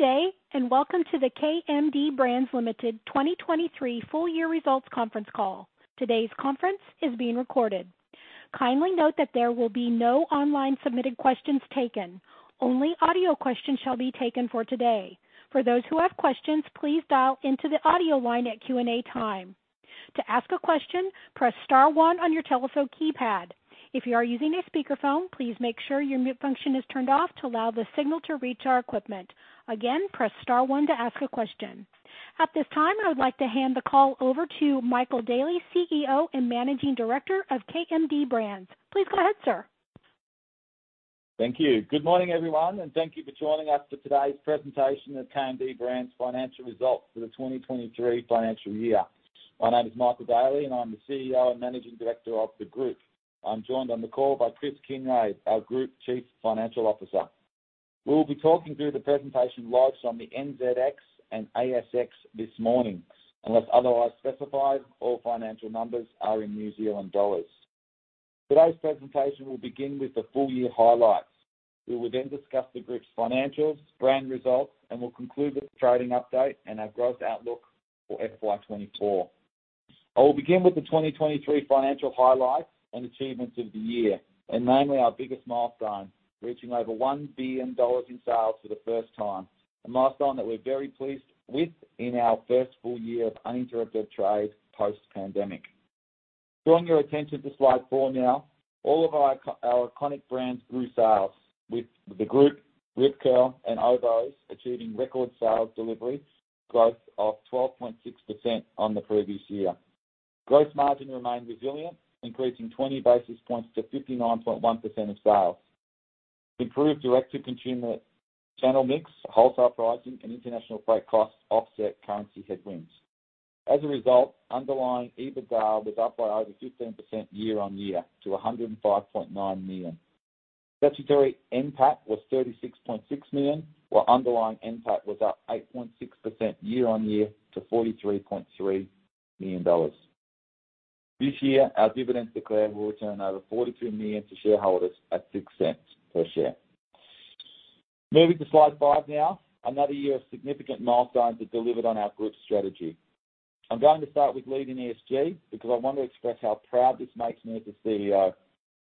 Good day, and welcome to the KMD Brands Limited 2023 full year results conference call. Today's conference is being recorded. Kindly note that there will be no online submitted questions taken. Only audio questions shall be taken for today. For those who have questions, please dial into the audio line at Q&A time. To ask a question, press star one on your telephone keypad. If you are using a speakerphone, please make sure your mute function is turned off to allow the signal to reach our equipment. Again, press star one to ask a question. At this time, I would like to hand the call over to Michael Daly, CEO and Managing Director of KMD Brands. Please go ahead, sir. Thank you. Good morning, everyone, and thank you for joining us for today's presentation of KMD Brands' financial results for the 2023 financial year. My name is Michael Daly, and I'm the CEO and Managing Director of the group. I'm joined on the call by Chris Kinraid, our Group Chief Financial Officer. We will be talking through the presentation live from the NZX and ASX this morning. Unless otherwise specified, all financial numbers are in New Zealand dollars. Today's presentation will begin with the full-year highlights. We will then discuss the group's financials, brand results, and we'll conclude with the trading update and our growth outlook for FY 2024. I will begin with the 2023 financial highlights and achievements of the year, namely our biggest milestone, reaching over 1 billion dollars in sales for the first time, a milestone that we're very pleased with in our first full year of uninterrupted trade post-pandemic. Drawing your attention to slide four now. All of our iconic brands grew sales, with the group, Rip Curl, and Oboz achieving record sales delivery growth of 12.6% on the previous year. Gross margin remained resilient, increasing 20 basis points to 59.1% of sales. Improved direct-to-consumer channel mix, wholesale pricing, and international freight costs offset currency headwinds. As a result, underlying EBITDA was up by over 15% year on year to 105.9 million. Statutory NPAT was 36.6 million, while underlying NPAT was up 8.6% year-on-year to 43.3 million dollars. This year, our dividends declared will return over 42 million to shareholders at 0.06 per share. Moving to slide five now. Another year of significant milestones are delivered on our group strategy. I'm going to start with leading ESG because I want to express how proud this makes me as the CEO.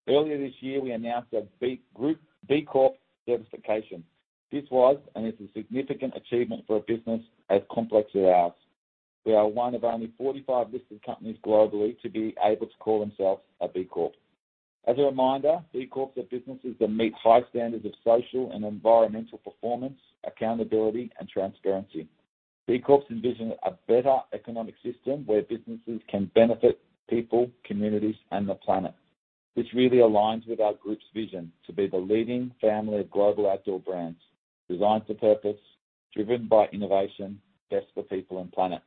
Earlier this year, we announced our B Corp certification. This was and is a significant achievement for a business as complex as ours. We are one of only 45 listed companies globally to be able to call themselves a B Corp. As a reminder, B Corps are businesses that meet high standards of social and environmental performance, accountability, and transparency. B Corps envision a better economic system where businesses can benefit people, communities, and the planet. This really aligns with our group's vision to be the leading family of global outdoor brands, designed for purpose, driven by innovation, best for people and planet....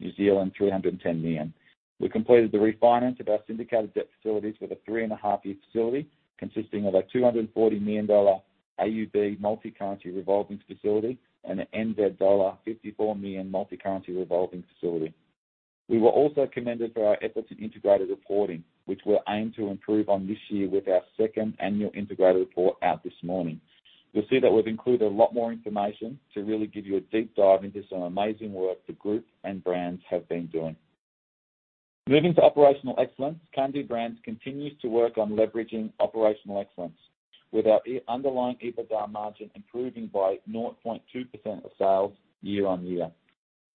New Zealand, 310 million. We completed the refinance of our syndicated debt facilities with a 3.5 year facility, consisting of an 240 million dollar multi-currency revolving facility and a NZ dollar 54 million multi-currency revolving facility. We were also commended for our efforts in integrated reporting, which we'll aim to improve on this year with our second annual integrated report out this morning. You'll see that we've included a lot more information to really give you a deep dive into some amazing work the group and brands have been doing. Moving to operational excellence, KMD Brands continues to work on leveraging operational excellence, with our underlying EBITDA margin improving by 0.2% of sales year-on-year.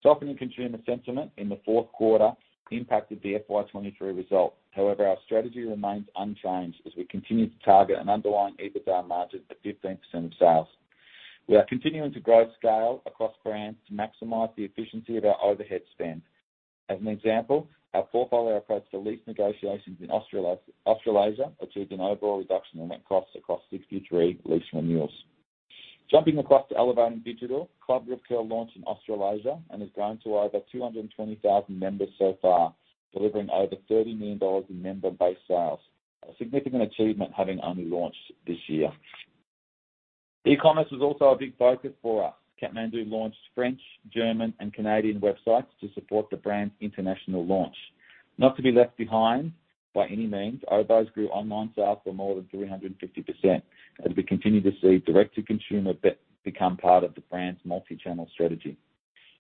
Softening consumer sentiment in the fourth quarter impacted the FY 2023 results. However, our strategy remains unchanged as we continue to target an underlying EBITDA margin of 15% of sales. We are continuing to grow scale across brands to maximize the efficiency of our overhead spend. As an example, our portfolio approach to lease negotiations in Australasia achieved an overall reduction in net costs across 63 lease renewals. Jumping across to elevating digital, Club Rip Curl launched in Australasia and has grown to over 220,000 members so far, delivering over 30 million dollars in member-based sales. A significant achievement, having only launched this year. E-commerce was also a big focus for us. Kathmandu launched French, German, and Canadian websites to support the brand's international launch. Not to be left behind by any means, Oboz grew online sales for more than 350% as we continue to see direct-to-consumer become part of the brand's multi-channel strategy.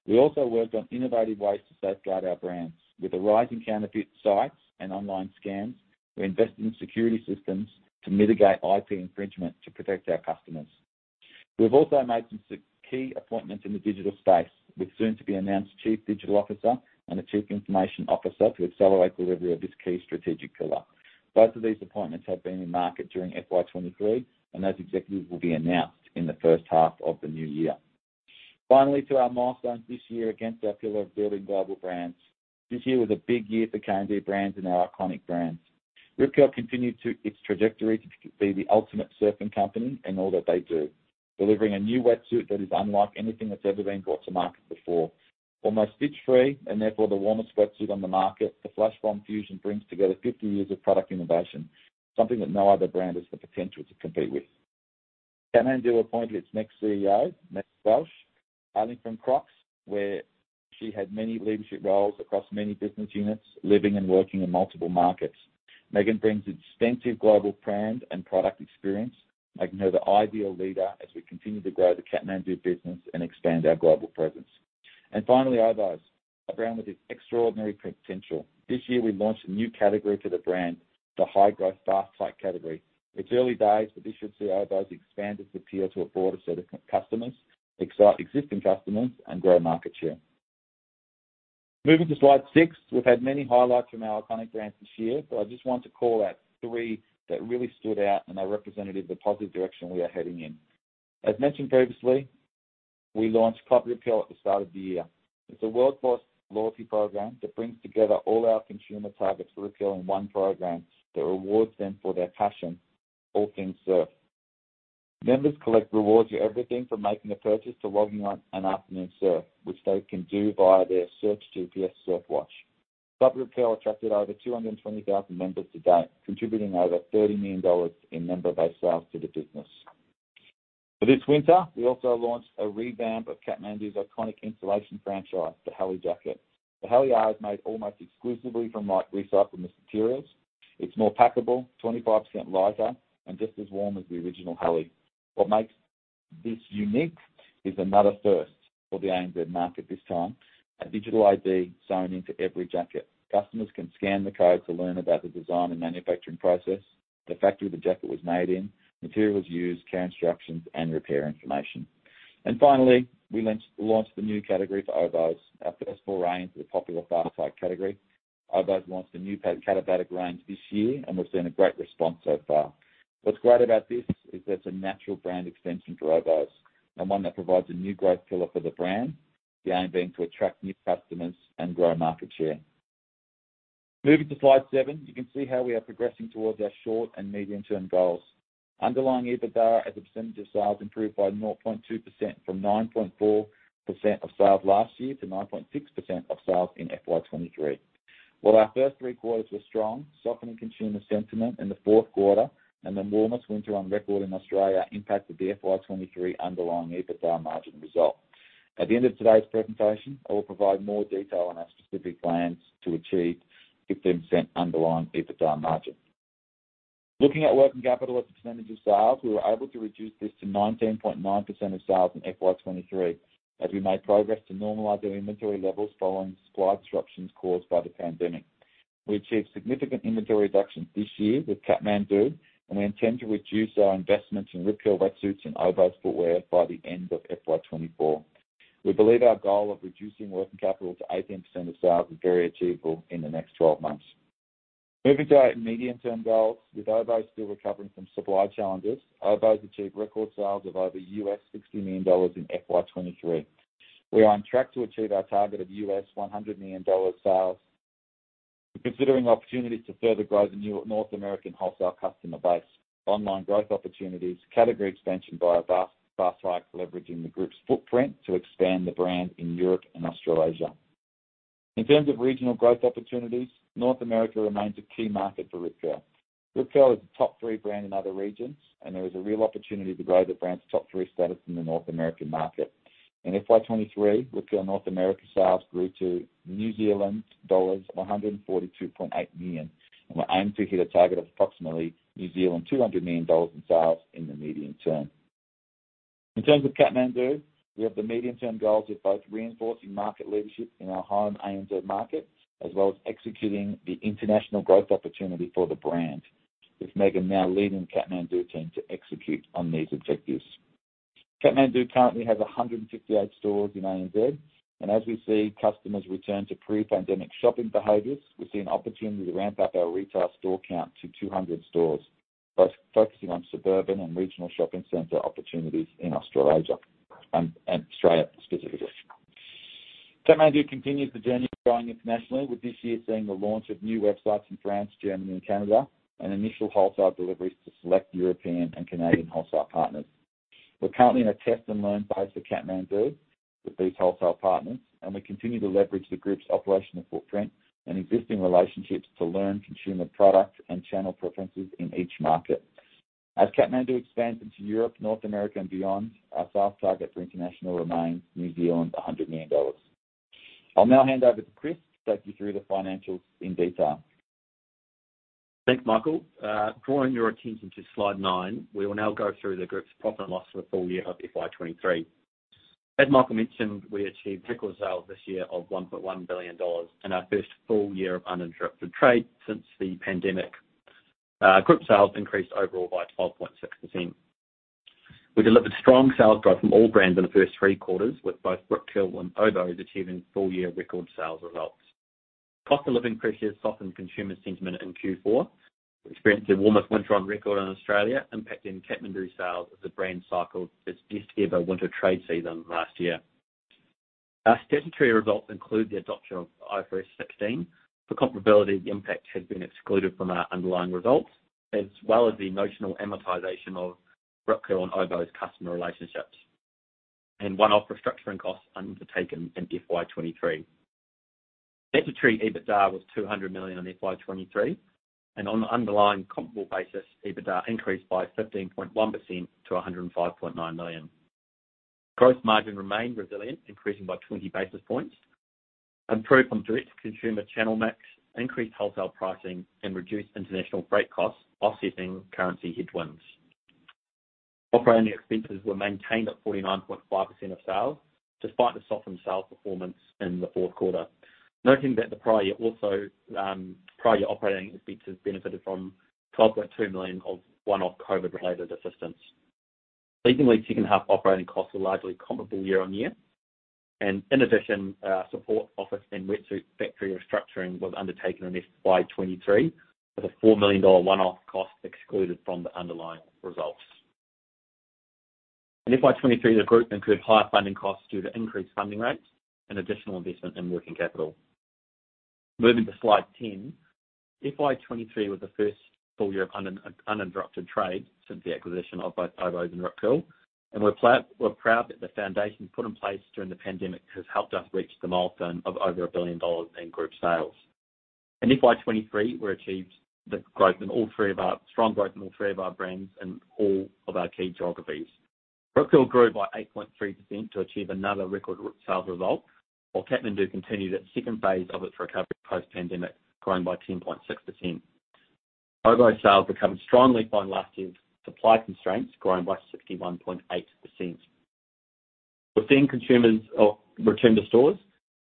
We also worked on innovative ways to safeguard our brands. With the rising counterfeit sites and online scams, we invested in security systems to mitigate IP infringement to protect our customers. We've also made some key appointments in the digital space, with soon-to-be-announced Chief Digital Officer and a Chief Information Officer to accelerate delivery of this key strategic pillar. Both of these appointments have been in market during FY 2023, and those executives will be announced in the first half of the new year. Finally, to our milestones this year against our pillar of building global brands. This year was a big year for KMD Brands and our iconic brands. Rip Curl continued its trajectory to be the ultimate surfing company in all that they do, delivering a new wetsuit that is unlike anything that's ever been brought to market before. Almost stitch-free, and therefore the warmest wetsuit on the market, the Flashbomb Fusion brings together 50 years of product innovation, something that no other brand has the potential to compete with. Kathmandu appointed its next CEO, Megan Welch, hailing from Crocs, where she had many leadership roles across many business units, living and working in multiple markets. Megan brings extensive global brand and product experience, making her the ideal leader as we continue to grow the Kathmandu business and expand our global presence. Finally, Oboz, a brand with extraordinary potential. This year, we launched a new category for the brand, the high-growth fastpack category. It's early days, but this should see Oboz expand its appeal to a broader set of customers, excite existing customers, and grow market share. Moving to slide six, we've had many highlights from our iconic brands this year, but I just want to call out three that really stood out and are representative of the positive direction we are heading in. As mentioned previously, we launched Club Rip Curl at the start of the year. It's a world-first loyalty program that brings together all our consumer targets for Rip Curl in one program that rewards them for their passion for all things surf. Members collect rewards for everything, from making a purchase to logging on an afternoon surf, which they can do via their Search GPS Surf Watch. Club Rip Curl attracted over 220,000 members to date, contributing over 30 million dollars in member-based sales to the business. For this winter, we also launched a revamp of Kathmandu's iconic insulation franchise, the Heli jacket. The Heli R is made almost exclusively from recycled materials. It's more packable, 25% lighter, and just as warm as the original Heli. What makes this unique is another first for the ANZ market. This time, a Digital ID sewn into every jacket. Customers can scan the code to learn about the design and manufacturing process, the factory the jacket was made in, materials used, care instructions, and repair information. And finally, we launched the new category for Oboz, our first full range of the popular fastpack category. Oboz launched a new Katabatic range this year, and we've seen a great response so far. What's great about this is it's a natural brand extension for Oboz, and one that provides a new growth pillar for the brand, the aim being to attract new customers and grow market share. Moving to slide seven, you can see how we are progressing towards our short and medium-term goals. Underlying EBITDA as a percentage of sales improved by 0.2% from 9.4% of sales last year to 9.6% of sales in FY 2023. While our first three quarters were strong, softening consumer sentiment in the fourth quarter and the warmest winter on record in Australia impacted the FY 2023 underlying EBITDA margin result. At the end of today's presentation, I will provide more detail on our specific plans to achieve 15% underlying EBITDA margin. Looking at working capital as a percentage of sales, we were able to reduce this to 19.9% of sales in FY 2023 as we made progress to normalize our inventory levels following supply disruptions caused by the pandemic. We achieved significant inventory reductions this year with Kathmandu, and we intend to reduce our investments in Rip Curl wetsuits and Oboz footwear by the end of FY 2024. We believe our goal of reducing working capital to 18% of sales is very achievable in the next 12 months. Moving to our medium-term goals. With Oboz still recovering from supply challenges, Oboz achieved record sales of over $60 million in FY 2023. We are on track to achieve our target of $100 million sales-... We're considering opportunities to further grow the North American wholesale customer base, online growth opportunities, category expansion by Oboz, fast track, leveraging the group's footprint to expand the brand in Europe and Australasia. In terms of regional growth opportunities, North America remains a key market for Rip Curl. Rip Curl is a top three brand in other regions, and there is a real opportunity to grow the brand's top three status in the North American market. In FY 2023, Rip Curl North America sales grew to 142.8 million New Zealand dollars, and we aim to hit a target of approximately 200 million dollars in sales in the medium term. In terms of Kathmandu, we have the medium-term goals of both reinforcing market leadership in our home ANZ market, as well as executing the international growth opportunity for the brand, with Megan now leading Kathmandu team to execute on these objectives. Kathmandu currently has 158 stores in ANZ, and as we see customers return to pre-pandemic shopping behaviors, we see an opportunity to ramp up our retail store count to 200 stores, both focusing on suburban and regional shopping center opportunities in Australasia, and Australia specifically. Kathmandu continues the journey of growing internationally, with this year seeing the launch of new websites in France, Germany, and Canada, and initial wholesale deliveries to select European and Canadian wholesale partners. We're currently in a test and learn phase for Kathmandu with these wholesale partners, and we continue to leverage the group's operational footprint and existing relationships to learn consumer products and channel preferences in each market. As Kathmandu expands into Europe, North America, and beyond, our sales target for international remains 100 million New Zealand dollars. I'll now hand over to Chris to take you through the financials in detail. Thanks, Michael. Drawing your attention to slide nine, we will now go through the group's profit and loss for the full year of FY 2023. As Michael mentioned, we achieved record sales this year of 1.1 billion dollars in our first full year of uninterrupted trade since the pandemic. Group sales increased overall by 12.6%. We delivered strong sales growth from all brands in the first three quarters, with both Rip Curl and Oboz achieving full-year record sales results. Cost of living pressures softened consumer sentiment in Q4. We experienced the warmest winter on record in Australia, impacting Kathmandu sales as the brand cycled its best-ever winter trade season last year. Our statutory results include the adoption of IFRS 16. For comparability, the impact has been excluded from our underlying results, as well as the notional amortization of Rip Curl and Oboz customer relationships, and one-off restructuring costs undertaken in FY 2023. Statutory EBITDA was NZD 200 million in FY 2023, and on an underlying comparable basis, EBITDA increased by 15.1% to 105.9 million. Gross margin remained resilient, increasing by 20 basis points, improved from direct-to-consumer channel mix, increased wholesale pricing, and reduced international freight costs, offsetting currency headwinds. Operating expenses were maintained at 49.5% of sales, despite the softened sales performance in the fourth quarter. Noting that the prior year also, prior year operating expenses benefited from 12.2 million of one-off COVID-related assistance. Seasonally, second half operating costs were largely comparable year-on-year, and in addition, support office and wetsuit factory restructuring was undertaken in FY 2023, with a 4 million dollar one-off cost excluded from the underlying results. In FY 2023, the group incurred higher funding costs due to increased funding rates and additional investment in working capital. Moving to slide 10. FY 2023 was the first full year of uninterrupted trade since the acquisition of both Oboz and Rip Curl. And we're proud that the foundation put in place during the pandemic has helped us reach the milestone of over 1 billion dollars in group sales. In FY 2023, we achieved strong growth in all three of our brands in all of our key geographies. Rip Curl grew by 8.3% to achieve another record sales result, while Kathmandu continued its second phase of its recovery post-pandemic, growing by 10.6%. Oboz sales recovered strongly by last year's supply constraints, growing by 61.8%. We're seeing consumers return to stores,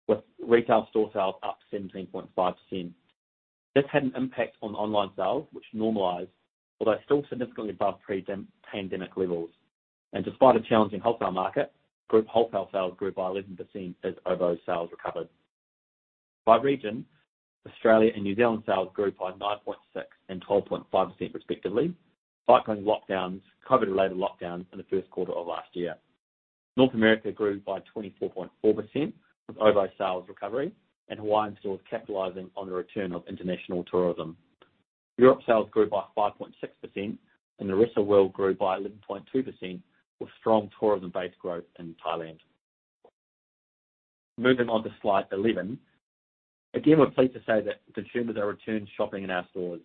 with retail store sales up 17.5%. This had an impact on online sales, which normalized, although still significantly above pre-pandemic levels. Despite a challenging wholesale market, group wholesale sales grew by 11% as Oboz sales recovered. By region, Australia and New Zealand sales grew by 9.6% and 12.5% respectively, despite ongoing COVID-related lockdowns in the first quarter of last year. North America grew by 24.4%, with Oboz sales recovery and Hawaii stores capitalizing on the return of international tourism. Europe sales grew by 5.6%, and the rest of world grew by 11.2%, with strong tourism-based growth in Thailand. Moving on to slide 11. Again, we're pleased to say that consumers are returning shopping in our stores.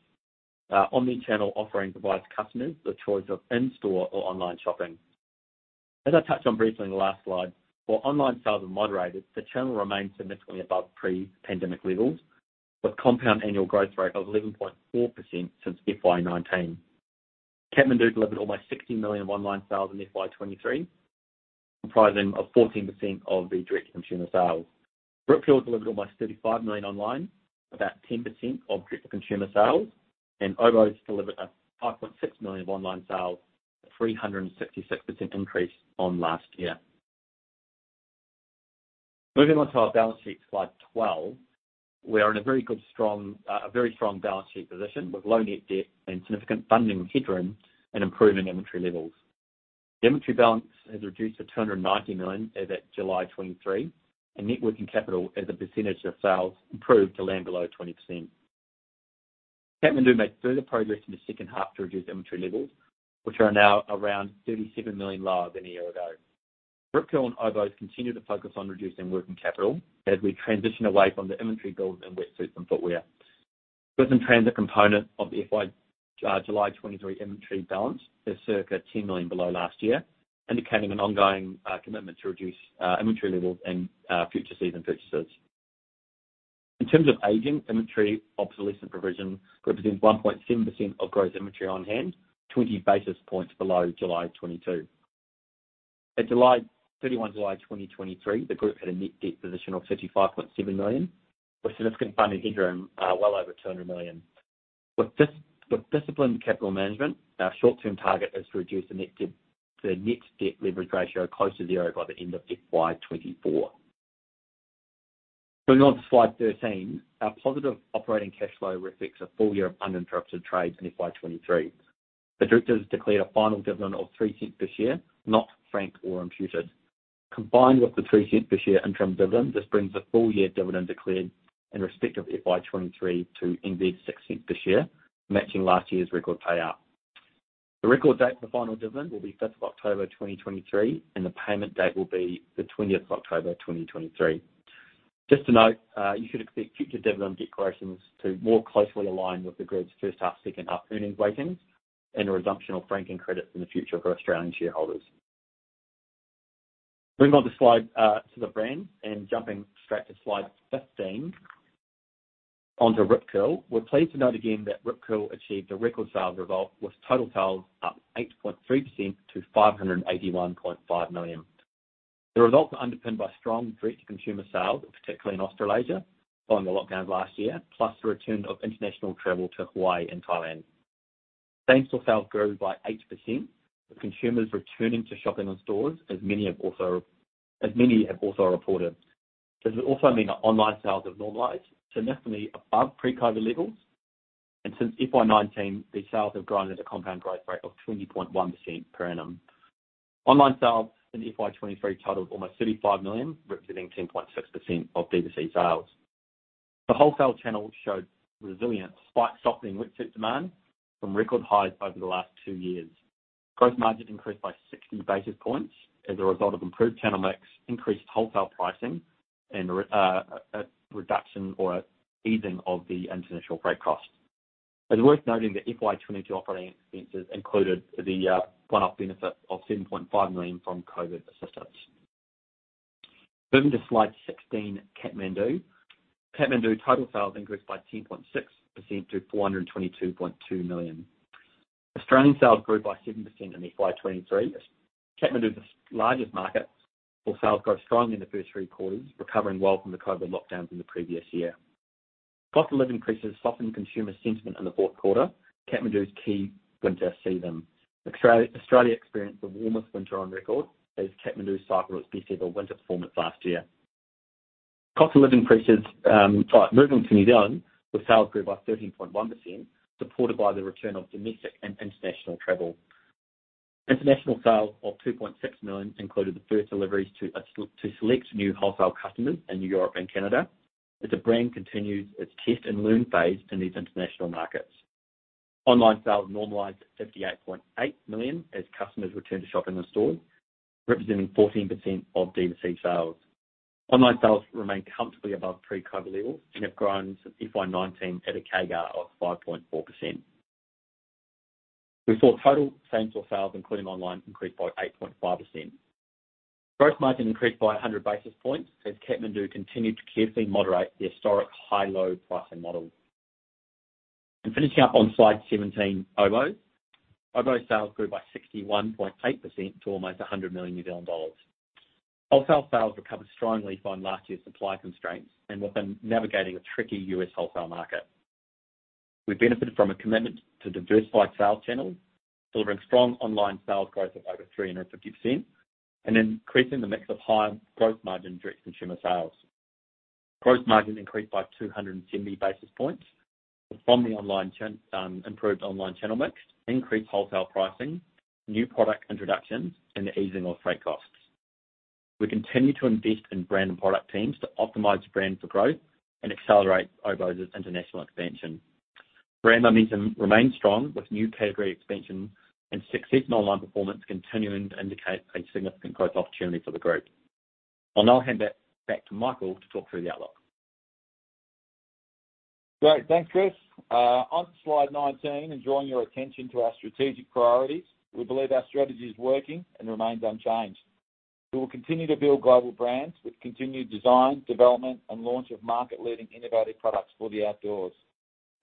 Omnichannel offering provides customers the choice of in-store or online shopping. As I touched on briefly in the last slide, while online sales have moderated, the channel remains significantly above pre-pandemic levels, with compound annual growth rate of 11.4% since FY 2019. Kathmandu delivered almost 60 million of online sales in FY 2023, comprising of 14% of the direct-to-consumer sales. Rip Curl delivered almost 35 million online, about 10% of direct-to-consumer sales, and Oboz delivered a 5.6 million of online sales, a 366% increase on last year. Moving on to our balance sheet, slide 12. We are in a very good, strong, a very strong balance sheet position, with low net debt and significant funding headroom and improving inventory levels. Inventory balance has reduced to 290 million as at July 2023, and net working capital as a percentage of sales improved to land below 20%. Kathmandu made further progress in the second half to reduce inventory levels, which are now around 37 million lower than a year ago. Rip Curl and Oboz continue to focus on reducing working capital as we transition away from the inventory build in wetsuits and footwear. Goods in transit component of the FY July 2023 inventory balance is circa 10 million below last year, indicating an ongoing commitment to reduce inventory levels in future season purchases. In terms of aging, inventory obsolescence provision represents 1.7% of gross inventory on hand, 20 basis points below July 2022. At July 31, 2023, the group had a net debt position of 35.7 million, with significant funding headroom, well over 200 million. With disciplined capital management, our short-term target is to reduce the net debt, the net debt leverage ratio close to zero by the end of FY 2024. Moving on to slide 13. Our positive operating cash flow reflects a full year of uninterrupted trade in FY 2023. The directors declared a final dividend of 0.03 per share, not franked or imputed. Combined with the 0.03 per share interim dividend, this brings the full-year dividend declared in respect of FY 2023 to 0.06 per share, matching last year's record payout. The record date for the final dividend will be October 5th, 2023, and the payment date will be the October 12th, 2023. Just to note, you should expect future dividend declarations to more closely align with the group's first half, second half earnings weightings and a resumption of franking credits in the future for Australian shareholders. Moving on to slide, to the brand, and jumping straight to slide 15, onto Rip Curl. We're pleased to note again that Rip Curl achieved a record sales result, with total sales up 8.3% to 581.5 million. The results are underpinned by strong direct-to-consumer sales, particularly in Australasia, following the lockdown last year, plus the return of international travel to Hawaii and Thailand. Same-store sales grew by 8%, with consumers returning to shopping in stores, as many have also reported. This has also meant that online sales have normalized to significantly above pre-COVID levels, and since FY 2019, these sales have grown at a compound growth rate of 20.1% per annum. Online sales in FY 2023 totaled almost 35 million, representing 10.6% of D2C sales. The wholesale channel showed resilience despite softening wetsuit demand from record highs over the last two years. Gross margin increased by 60 basis points as a result of improved channel mix, increased wholesale pricing, and a reduction or easing of the international freight costs. It's worth noting that FY 2022 operating expenses included the one-off benefit of 7.5 million from COVID assistance. Moving to slide 16, Kathmandu. Kathmandu total sales increased by 10.6% to 422.2 million. Australian sales grew by 7% in FY 2023. Kathmandu's largest market, where sales grew strongly in the first three quarters, recovering well from the COVID lockdowns in the previous year. Cost of living increases softened consumer sentiment in the fourth quarter, Kathmandu's key winter season. Australia experienced the warmest winter on record as Kathmandu cycled its best ever winter performance last year. Cost of living increases, moving to New Zealand, where sales grew by 13.1%, supported by the return of domestic and international travel. International sales of 2.6 million included the first deliveries to select new wholesale customers in Europe and Canada, as the brand continues its test-and-learn phase in these international markets. Online sales normalized to 58.8 million as customers returned to shopping in store, representing 14% of D2C sales. Online sales remain comfortably above pre-COVID levels and have grown since FY 2019 at a CAGR of 5.4%. We saw total same store sales, including online, increase by 8.5%. Gross margin increased by 100 basis points as Kathmandu continued to carefully moderate the historic high-low pricing model. Finishing up on slide 17, Oboz. Oboz sales grew by 61.8% to almost 100 million New Zealand dollars. Wholesale sales recovered strongly from last year's supply constraints and within navigating a tricky U.S. wholesale market. We benefited from a commitment to diversified sales channels, delivering strong online sales growth of over 350%, and increasing the mix of high growth margin direct-to-consumer sales. Gross margin increased by 210 basis points from the improved online channel mix, increased wholesale pricing, new product introductions, and the easing of freight costs. We continue to invest in brand and product teams to optimize brand for growth and accelerate Oboz's international expansion. Brand momentum remains strong, with new category expansion and successful online performance continuing to indicate a significant growth opportunity for the group. I'll now hand back, back to Michael to talk through the outlook. Great. Thanks, Chris. On to slide 19 and drawing your attention to our strategic priorities. We believe our strategy is working and remains unchanged. We will continue to build global brands with continued design, development, and launch of market-leading innovative products for the outdoors.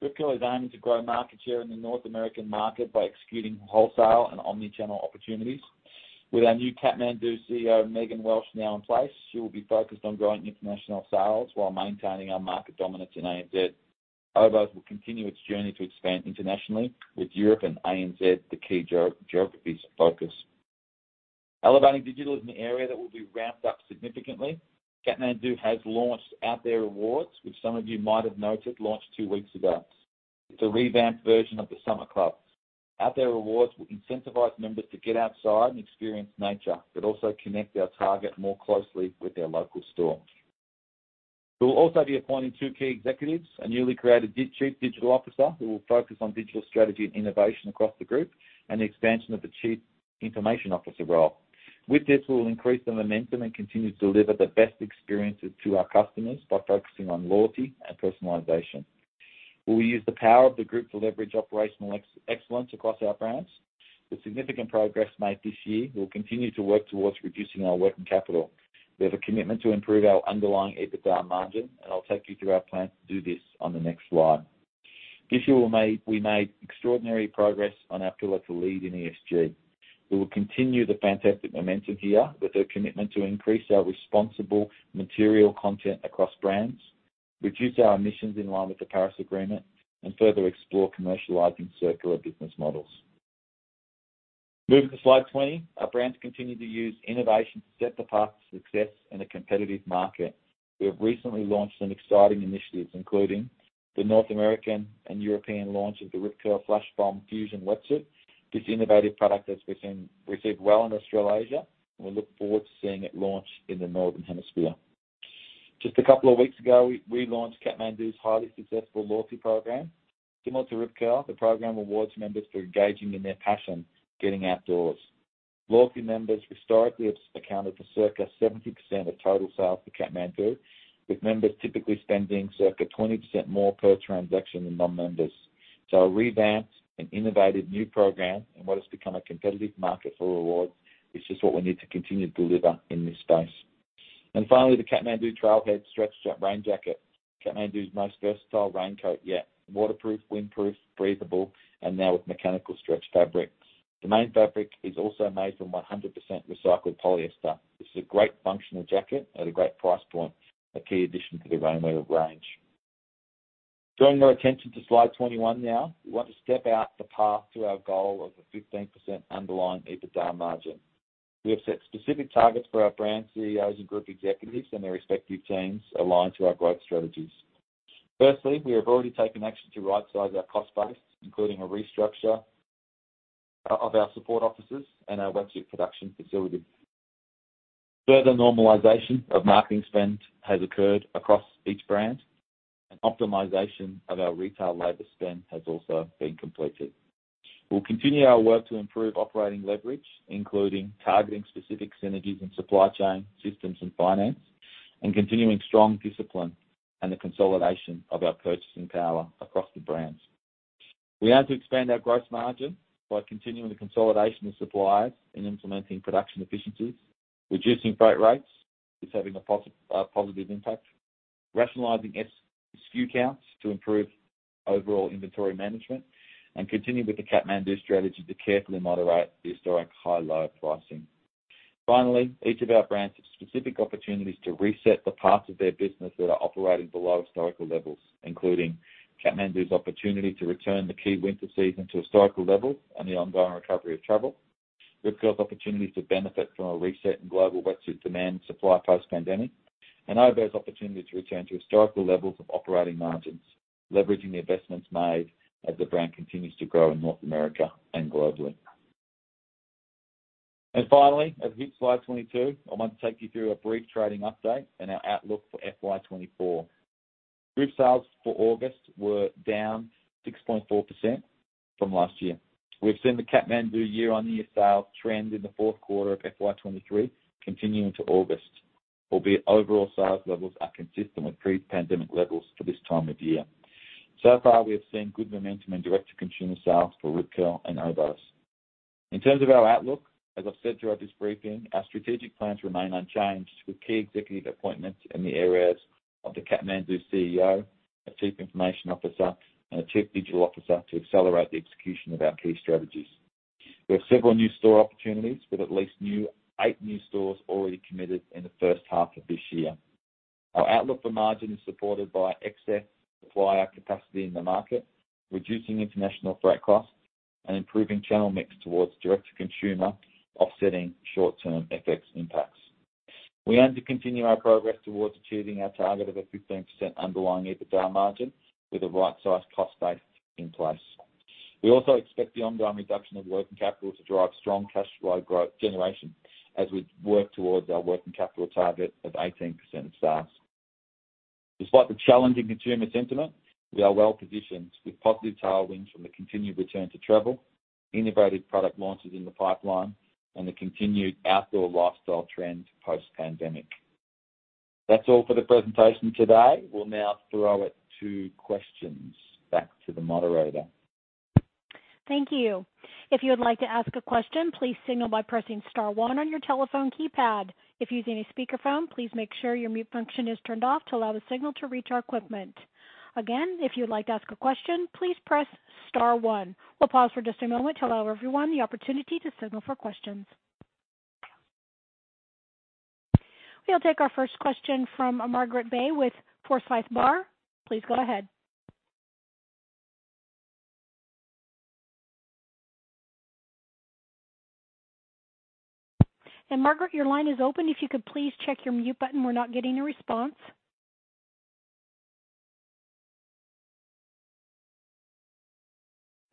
Rip Curl is aiming to grow market share in the North American market by executing wholesale and omnichannel opportunities. With our new Kathmandu CEO, Megan Welch, now in place, she will be focused on growing international sales while maintaining our market dominance in ANZ. Oboz will continue its journey to expand internationally, with Europe and ANZ the key geographies of focus. Elevating digital is an area that will be ramped up significantly. Kathmandu has launched Out There Rewards, which some of you might have noted, launched two weeks ago. It's a revamped version of the Summit Club. Out There Rewards will incentivize members to get outside and experience nature, but also connect our target more closely with their local store. We'll also be appointing two key executives, a newly created chief digital officer, who will focus on digital strategy and innovation across the group, and the expansion of the chief information officer role. With this, we will increase the momentum and continue to deliver the best experiences to our customers by focusing on loyalty and personalization. We'll use the power of the group to leverage operational excellence across our brands. With significant progress made this year, we'll continue to work towards reducing our working capital. We have a commitment to improve our underlying EBITDA margin, and I'll take you through our plans to do this on the next slide. This year, we made extraordinary progress on our goal to lead in ESG. We will continue the fantastic momentum here with a commitment to increase our responsible material content across brands, reduce our emissions in line with the Paris Agreement, and further explore commercializing circular business models. Moving to slide 20. Our brands continue to use innovation to set the path to success in a competitive market. We have recently launched some exciting initiatives, including the North American and European launch of the Rip Curl Flashbomb Fusion Wetsuit. This innovative product has been received well in Australasia, and we look forward to seeing it launch in the Northern Hemisphere. Just a couple of weeks ago, we launched Kathmandu's highly successful loyalty program. Similar to Rip Curl, the program awards members for engaging in their passion, getting outdoors. Loyalty members historically have accounted for circa 70% of total sales for Kathmandu, with members typically spending circa 20% more per transaction than non-members. So a revamped and innovative new program in what has become a competitive market for rewards is just what we need to continue to deliver in this space. And finally, the Kathmandu Trailhead Stretch Rain Jacket, Kathmandu's most versatile raincoat yet. Waterproof, windproof, breathable, and now with mechanical stretch fabric. The main fabric is also made from 100% recycled polyester. This is a great functional jacket at a great price point, a key addition to the rainwear range. Drawing our attention to slide 21 now. We want to step out the path to our goal of a 15% underlying EBITDA margin. We have set specific targets for our brand CEOs and group executives and their respective teams aligned to our growth strategies. Firstly, we have already taken action to rightsize our cost base, including a restructure of our support offices and our wetsuit production facilities. Further normalization of marketing spend has occurred across each brand, and optimization of our retail labor spend has also been completed. We'll continue our work to improve operating leverage, including targeting specific synergies in supply chain systems and finance, and continuing strong discipline and the consolidation of our purchasing power across the brands. We aim to expand our gross margin by continuing the consolidation of suppliers and implementing production efficiencies. Reducing freight rates is having a positive impact. Rationalizing SKU counts to improve overall inventory management, and continue with the Kathmandu strategy to carefully moderate the historic high-low pricing. Finally, each of our brands have specific opportunities to reset the parts of their business that are operating below historical levels, including Kathmandu's opportunity to return the key winter season to historical levels and the ongoing recovery of travel. Rip Curl's opportunity to benefit from a reset in global wetsuit demand supply post-pandemic, and Oboz's opportunity to return to historical levels of operating margins, leveraging the investments made as the brand continues to grow in North America and globally. And finally, as we hit slide 22, I want to take you through a brief trading update and our outlook for FY 2024. Group sales for August were down 6.4% from last year. We've seen the Kathmandu year-on-year sales trend in the fourth quarter of FY 2023 continue into August, albeit overall sales levels are consistent with pre-pandemic levels for this time of year. We have seen good momentum in direct-to-consumer sales for Rip Curl and Oboz. In terms of our outlook, as I've said throughout this briefing, our strategic plans remain unchanged, with key executive appointments in the areas of the Kathmandu CEO, a Chief Information Officer, and a Chief Digital Officer to accelerate the execution of our key strategies. We have several new store opportunities, with at least eight new stores already committed in the first half of this year. Our outlook for margin is supported by excess supplier capacity in the market, reducing international freight costs, and improving channel mix towards direct-to-consumer, offsetting short-term FX impacts. We aim to continue our progress towards achieving our target of a 15% underlying EBITDA margin with the right size cost base in place. We also expect the ongoing reduction of working capital to drive strong cash flow growth generation as we work towards our working capital target of 18% of sales. Despite the challenging consumer sentiment, we are well positioned with positive tailwinds from the continued return to travel, innovative product launches in the pipeline, and the continued outdoor lifestyle trend post-pandemic. That's all for the presentation today. We'll now throw it to questions. Back to the moderator. Thank you. If you would like to ask a question, please signal by pressing star one on your telephone keypad. If using a speakerphone, please make sure your mute function is turned off to allow the signal to reach our equipment. Again, if you'd like to ask a question, please press star one. We'll pause for just a moment to allow everyone the opportunity to signal for questions. We'll take our first question from Margaret Bei with Forsyth Barr. Please go ahead.... Margaret, your line is open. If you could please check your mute button, we're not getting a response.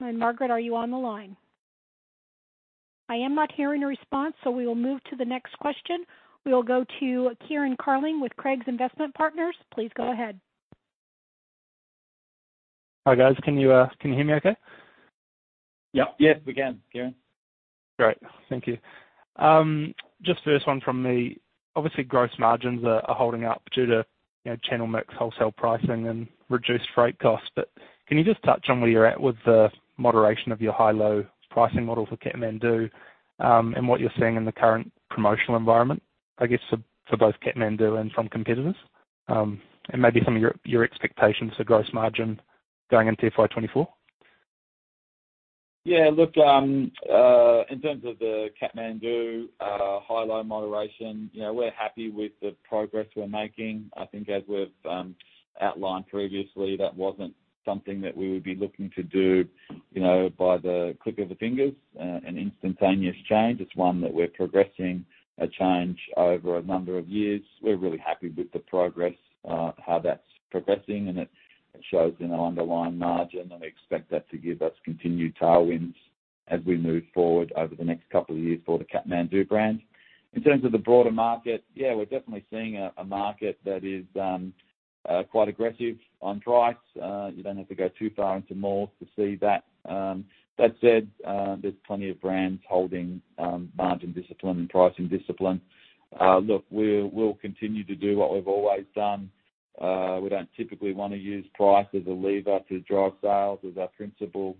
Margaret, are you on the line? I am not hearing a response, so we will move to the next question. We will go to Kieran Carling with Craigs Investment Partners. Please go ahead. Hi, guys. Can you hear me okay? Yep. Yes, we can, Kieran. Great. Thank you. Just first one from me. Obviously, gross margins are holding up due to, you know, channel mix, wholesale pricing, and reduced freight costs. But can you just touch on where you're at with the moderation of your high-low pricing model for Kathmandu, and what you're seeing in the current promotional environment, I guess, for both Kathmandu and some competitors, and maybe some of your expectations for gross margin going into FY 2024? Yeah, look, in terms of the Kathmandu, high-low moderation, you know, we're happy with the progress we're making. I think as we've outlined previously, that wasn't something that we would be looking to do, you know, by the click of the fingers, an instantaneous change. It's one that we're progressing a change over a number of years. We're really happy with the progress, how that's progressing, and it, it shows in our underlying margin, and we expect that to give us continued tailwinds as we move forward over the next couple of years for the Kathmandu brand. In terms of the broader market, yeah, we're definitely seeing a market that is quite aggressive on price. You don't have to go too far into malls to see that. That said, there's plenty of brands holding margin discipline and pricing discipline. Look, we'll continue to do what we've always done. We don't typically want to use price as a lever to drive sales as our principal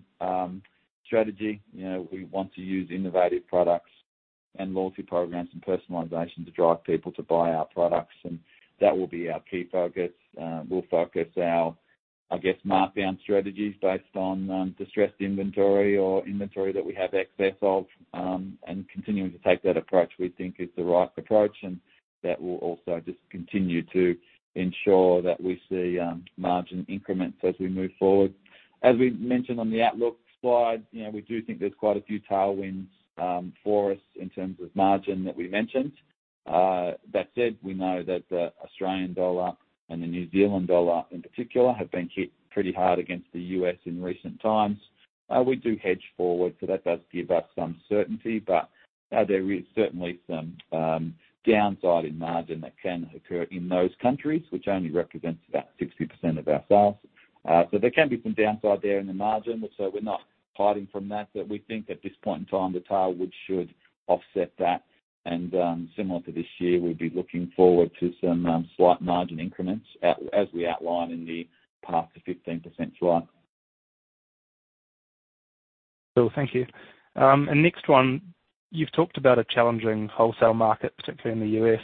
strategy. You know, we want to use innovative products and loyalty programs and personalization to drive people to buy our products, and that will be our key focus. We'll focus our, I guess, markdown strategies based on distressed inventory or inventory that we have excess of. And continuing to take that approach, we think is the right approach, and that will also just continue to ensure that we see margin increments as we move forward. As we mentioned on the outlook slide, you know, we do think there's quite a few tailwinds for us in terms of margin that we mentioned. That said, we know that the Australian dollar and the New Zealand dollar, in particular, have been hit pretty hard against the US dollar in recent times. We do hedge forward, so that does give us some certainty, but there is certainly some downside in margin that can occur in those countries, which only represents about 60% of our sales. So there can be some downside there in the margin. So we're not hiding from that, but we think at this point in time, the tailwind should offset that. And similar to this year, we'd be looking forward to some slight margin increments as we outline in the path to 15% slide. Cool. Thank you. And next one, you've talked about a challenging wholesale market, particularly in the U.S.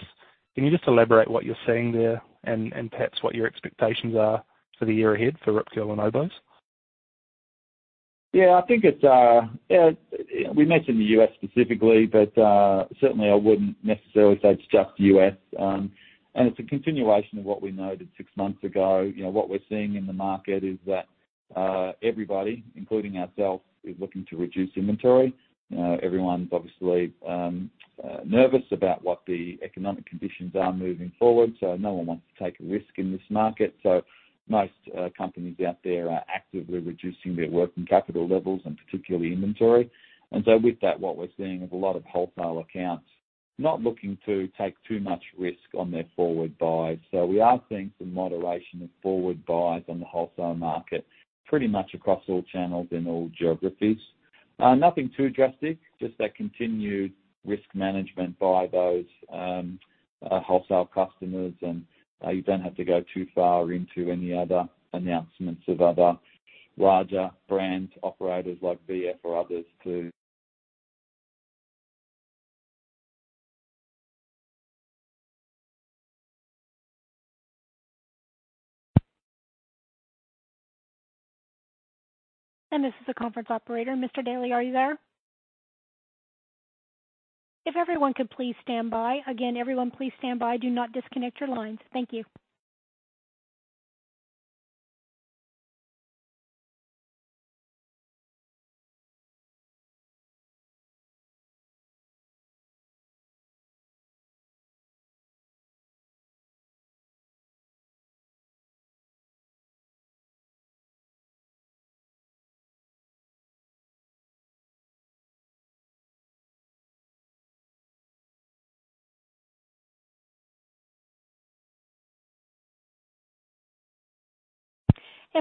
Can you just elaborate what you're seeing there and perhaps what your expectations are for the year ahead for Rip Curl and Oboz? Yeah, I think it's... Yeah, we mentioned the U.S. specifically, but certainly I wouldn't necessarily say it's just U.S. It's a continuation of what we noted six months ago. You know, what we're seeing in the market is that everybody, including ourselves, is looking to reduce inventory. Everyone's obviously nervous about what the economic conditions are moving forward, so no one wants to take a risk in this market. Most companies out there are actively reducing their working capital levels and particularly inventory. With that, what we're seeing is a lot of wholesale accounts not looking to take too much risk on their forward buys. We are seeing some moderation of forward buys on the wholesale market, pretty much across all channels in all geographies. Nothing too drastic, just that continued risk management by those, wholesale customers. You don't have to go too far into any other announcements of other larger brand operators like VF or others to- This is the conference operator. Mr. Daly, are you there? If everyone could please stand by. Again, everyone, please stand by. Do not disconnect your lines. Thank you.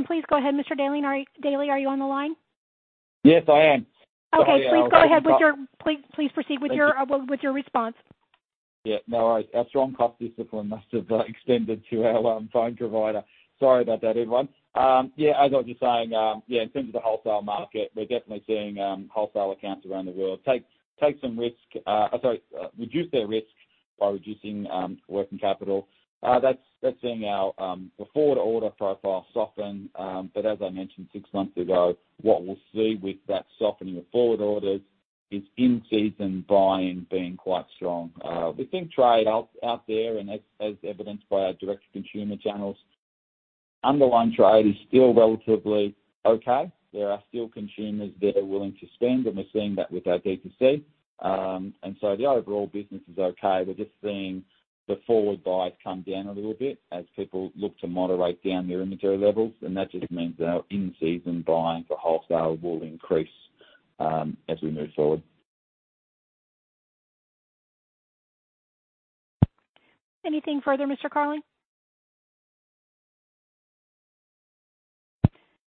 Please go ahead, Mr. Daly. Daly, are you on the line? Yes, I am. Okay. Sorry, I- Please proceed with your- Thank you. With your response. Yeah, no, our strong cost discipline must have extended to our phone provider. Sorry about that, everyone. Yeah, as I was just saying, yeah, in terms of the wholesale market, we're definitely seeing wholesale accounts around the world reduce their risk by reducing working capital. That's seeing our forward order profile soften. But as I mentioned six months ago, what we'll see with that softening of forward orders is in-season buying being quite strong. We think trade out there, and as evidenced by our direct-to-consumer channels, underlying trade is still relatively okay. There are still consumers that are willing to spend, and we're seeing that with our D2C. And so the overall business is okay. We're just seeing the forward buys come down a little bit as people look to moderate down their inventory levels, and that just means that our in-season buying for wholesale will increase as we move forward. Anything further, Mr. Carling?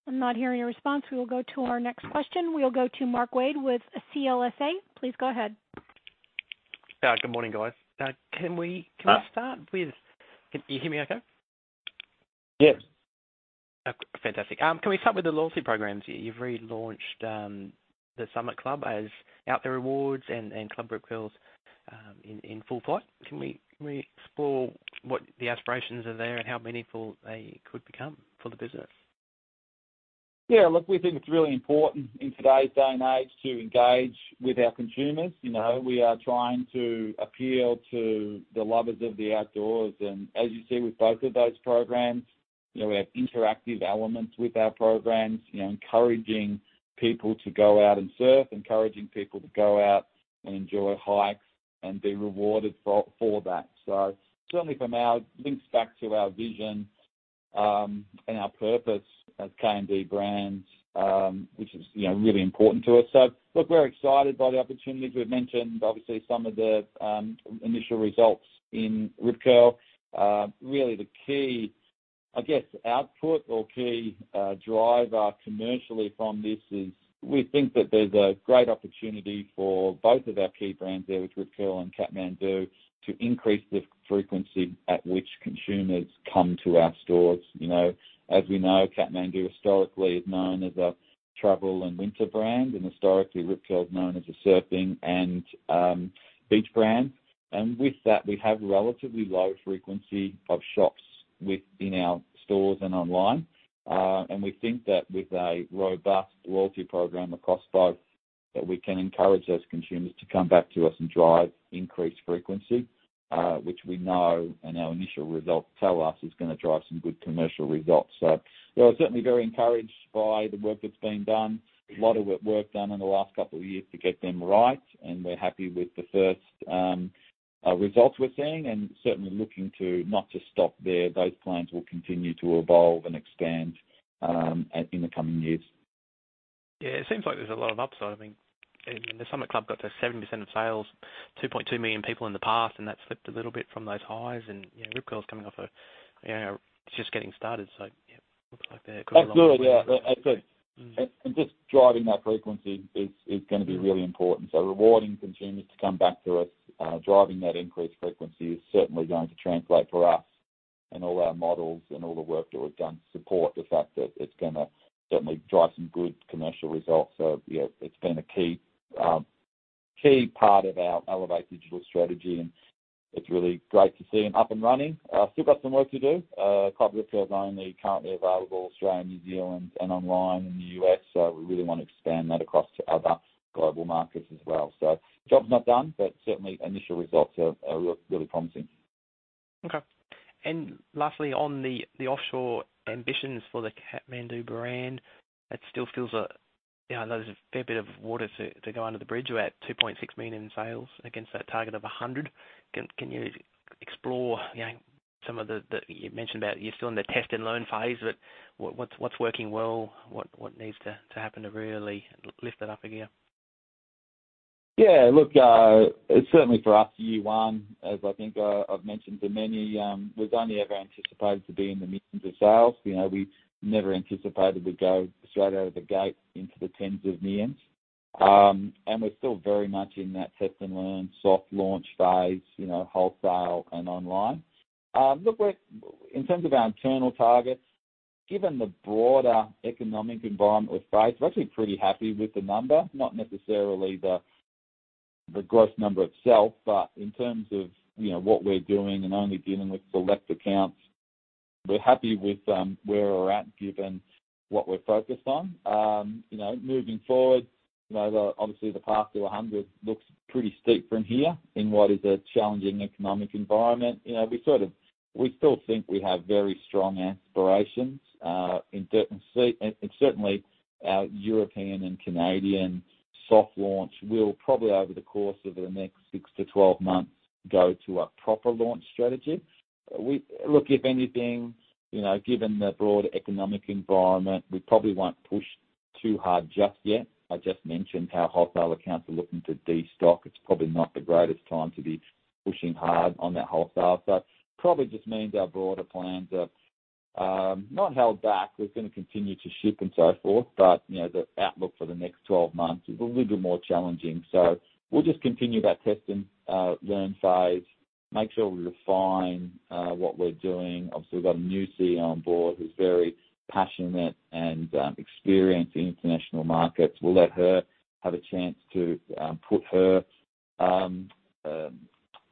I'm not hearing a response. We will go to our next question. We'll go to Mark Wade with CLSA. Please go ahead. Good morning, guys. Can we start with... Can you hear me okay? Yes. Fantastic. Can we start with the loyalty programs? You've relaunched the Summit Club as Out There Rewards and Club Rip Curl in full flight. Can we explore what the aspirations are there and how meaningful they could become for the business? Yeah, look, we think it's really important in today's day and age to engage with our consumers. You know, we are trying to appeal to the lovers of the outdoors, and as you see with both of those programs, you know, we have interactive elements with our programs. You know, encouraging people to go out and surf, encouraging people to go out and enjoy hikes and be rewarded for that. So certainly from our links back to our vision and our purpose as KMD Brands, which is, you know, really important to us. So look, we're excited by the opportunities. We've mentioned, obviously, some of the initial results in Rip Curl. Really, the key, I guess, output or key, driver commercially from this is we think that there's a great opportunity for both of our key brands there, with Rip Curl and Kathmandu, to increase the frequency at which consumers come to our stores. You know, as we know, Kathmandu historically is known as a travel and winter brand, and historically, Rip Curl is known as a surfing and, beach brand. And with that, we have relatively low frequency of shops within our stores and online. And we think that with a robust loyalty program across both, that we can encourage those consumers to come back to us and drive increased frequency, which we know and our initial results tell us, is gonna drive some good commercial results. So we're certainly very encouraged by the work that's been done. A lot of work done in the last couple of years to get them right, and we're happy with the first results we're seeing and certainly looking to not just stop there. Those plans will continue to evolve and expand in the coming years. Yeah, it seems like there's a lot of upside. I mean, the Summit Club got to 70% of sales, 2.2 million people in the past, and that slipped a little bit from those highs. And, you know, Rip Curl's coming off a, you know, it's just getting started. So, yeah, looks like they're- That's good. Yeah, I see. Mm. Just driving that frequency is gonna be really important. So rewarding consumers to come back to us, driving that increased frequency, is certainly going to translate for us and all our models and all the work that we've done to support the fact that it's gonna certainly drive some good commercial results. So yeah, it's been a key part of our elevate digital strategy, and it's really great to see them up and running. Still got some work to do. Club Rip Curl is only currently available in Australia, New Zealand, and online in the U.S., so we really want to expand that across to other global markets as well. So job's not done, but certainly initial results are really promising. Okay. Lastly, on the offshore ambitions for the Kathmandu brand, that still feels a, you know, there's a fair bit of water to go under the bridge. We're at 2.6 million in sales against that target of 100 million. Can you explore, you know, some of the-- You mentioned that you're still in the test and learn phase, but what's working well, what needs to happen to really lift that up a gear? Yeah, look, certainly for us, year one, as I think I've mentioned to many, was only ever anticipated to be in the millions of sales. You know, we never anticipated we'd go straight out of the gate into the tens of millions. We're still very much in that test-and-learn, soft launch phase, you know, wholesale and online. Look, in terms of our internal targets, given the broader economic environment we face, we're actually pretty happy with the number. Not necessarily the gross number itself, but in terms of, you know, what we're doing and only dealing with select accounts, we're happy with where we're at, given what we're focused on. You know, moving forward, obviously, the path to 100 million looks pretty steep from here in what is a challenging economic environment. You know, we sort of—we still think we have very strong aspirations, and certainly our European and Canadian soft launch will probably, over the course of the next 6-12 months, go to a proper launch strategy. Look, if anything, you know, given the broader economic environment, we probably won't push too hard just yet. I just mentioned how wholesale accounts are looking to destock. It's probably not the greatest time to be pushing hard on that wholesale. So probably just means our broader plans are not held back. We're gonna continue to ship and so forth, but, you know, the outlook for the next 12 months is a little bit more challenging. So we'll just continue our test and learn phase, make sure we refine what we're doing. Obviously, we've got a new CEO on board who's very passionate and experienced in international markets. We'll let her have a chance to put her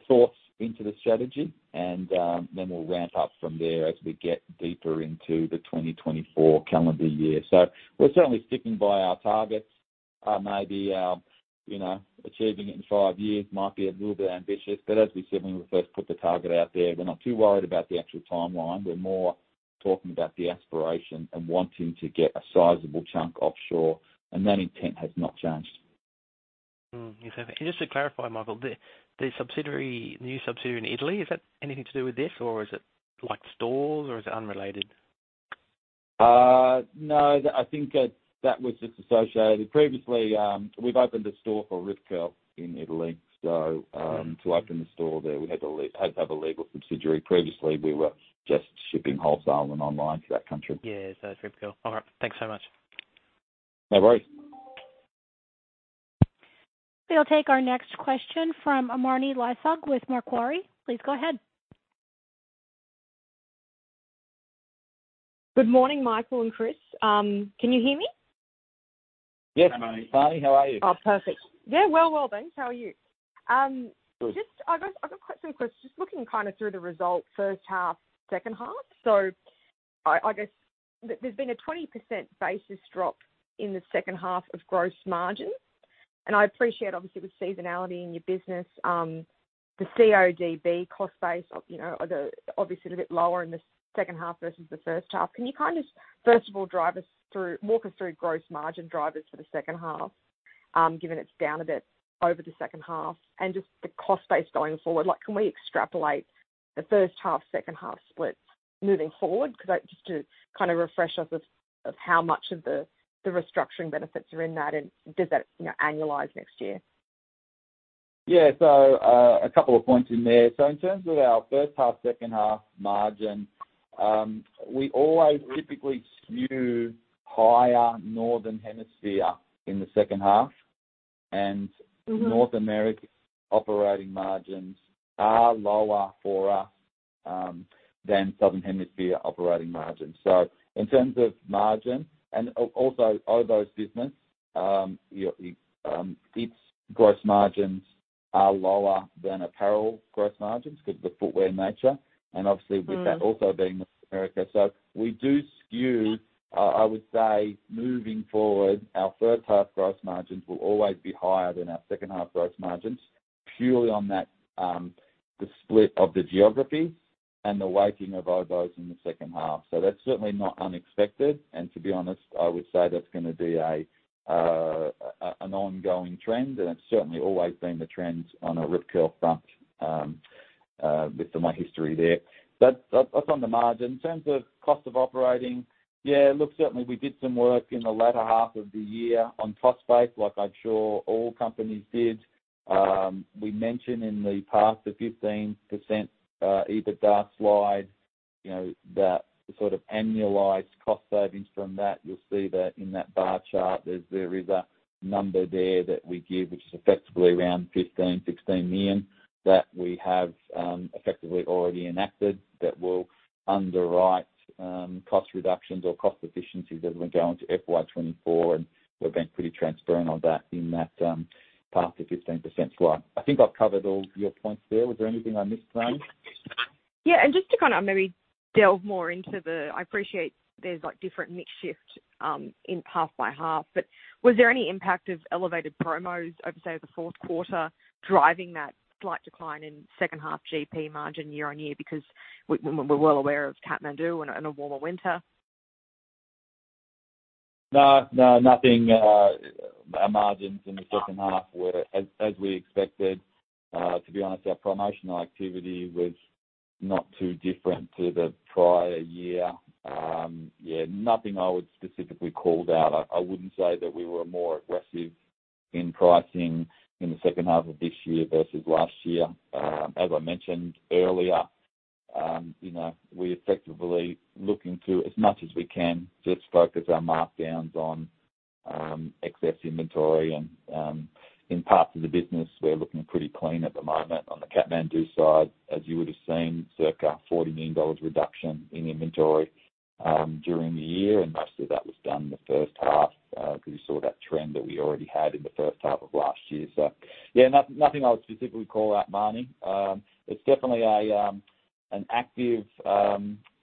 thoughts into the strategy, and then we'll ramp up from there as we get deeper into the 2024 calendar year. So we're certainly sticking by our targets. Maybe, you know, achieving it in five years might be a little bit ambitious, but as we said when we first put the target out there, we're not too worried about the actual timeline. We're more talking about the aspiration and wanting to get a sizable chunk offshore, and that intent has not changed. Okay. Just to clarify, Michael, the subsidiary, the new subsidiary in Italy, is that anything to do with this, or is it like stores, or is it unrelated? No, I think that, that was just associated. Previously, we've opened a store for Rip Curl in Italy, so, to open the store there, we had to have a legal subsidiary. Previously, we were just shipping wholesale and online to that country. Yeah, so Rip Curl. All right. Thank you so much. No worry. We'll take our next question from Marnie Lysaght with Macquarie. Please go ahead. Good morning, Michael and Chris. Can you hear me? Yes, Marnie, how are you? Oh, perfect. Yeah, well, well, thanks. How are you? Good. Just, I got quite some questions. Just looking kind of through the results, first half, second half. So I guess there's been a 20% basis drop in the second half of gross margin. And I appreciate, obviously, with seasonality in your business, the CODB cost base, you know, are obviously a bit lower in the second half versus the first half. Can you kind of, first of all, drive us through, walk us through gross margin drivers for the second half, given it's down a bit over the second half and just the cost base going forward? Like, can we extrapolate the first half, second half split moving forward? Because I just to kind of refresh us of how much of the restructuring benefits are in that, and does that, you know, annualize next year? Yeah. So, a couple of points in there. So in terms of our first half, second half margin, we always typically skew higher northern hemisphere in the second half, and- Mm-hmm... North America operating margins are lower for us than Southern Hemisphere operating margins. So in terms of margin and also Oboz business, its gross margins are lower than apparel gross margins because of the footwear nature and obviously- Mm-hmm... with that also being America. So we do skew, I would say, moving forward, our first half gross margins will always be higher than our second half gross margins, purely on that, the split of the geography and the weighting of Oboz in the second half. So that's certainly not unexpected. And to be honest, I would say that's gonna be a, a, an ongoing trend, and it's certainly always been the trend on a Rip Curl front, with my history there. But that, that's on the margin. In terms of cost of operating, yeah, look, certainly we did some work in the latter half of the year on cost base, like I'm sure all companies did. We mentioned in the past the 15% EBITDA slide, you know, that the sort of annualized cost savings from that. You'll see that in that bar chart; there's, there is a number there that we give, which is effectively around 15 million-16 million, that we have effectively already enacted, that will underwrite cost reductions or cost efficiencies as we go into FY 2024. We've been pretty transparent on that in that past the 15% slide. I think I've covered all your points there. Was there anything I missed, Marnie? Yeah, and just to kind of maybe delve more into the... I appreciate there's, like, different mix shift in half-by-half, but was there any impact of elevated promos over, say, the fourth quarter driving that slight decline in second half GP margin year-on-year? Because we're well aware of Kathmandu and a warmer winter. No, nothing, our margins in the second half were as we expected. To be honest, our promotional activity was not too different to the prior year. Yeah, nothing I would specifically call out. I wouldn't say that we were more aggressive in pricing in the second half of this year versus last year. As I mentioned earlier, you know, we're effectively looking to, as much as we can, just focus our markdowns on excess inventory. In parts of the business, we're looking pretty clean at the moment. On the Kathmandu side, as you would have seen, circa 40 million dollars reduction in inventory during the year, and most of that was done in the first half, because you saw that trend that we already had in the first half of last year. So, yeah, nothing I would specifically call out, Marnie. It's definitely an active